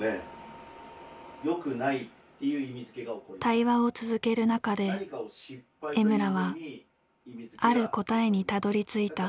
対話を続ける中で江村はある答えにたどりついた。